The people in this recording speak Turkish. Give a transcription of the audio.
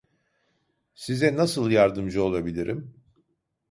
Size nas?l yard?mc? olabilirim?